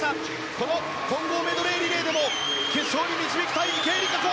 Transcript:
この混合メドレーリレーでも決勝に導きたい池江璃花子。